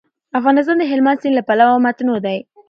افغانستان د هلمند سیند له پلوه متنوع دی.